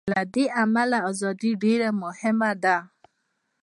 له دې امله ازادي ډېره مهمه ده.